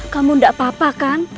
kamu gak apa apa kan